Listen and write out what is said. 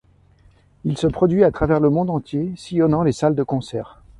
Il se produit à travers le monde entier, sillonnant les salles de concert.